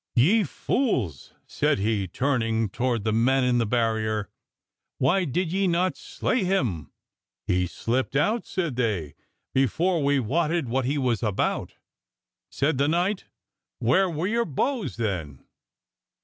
Ye fools," said he, turning toward the men in the barrier, "why did ye not slay him?" "He slipped out," said they, "before we wotted what he was about." Said the knight, "Where were your bows, then?"